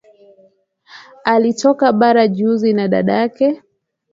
Alitoka bara juzi na dadake